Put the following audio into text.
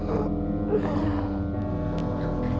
ada apa sih ini